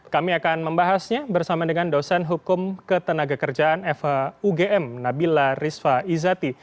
kami akan membahasnya bersama dengan dosen hukum ketenagakerjaan fhugm nabila rizva izati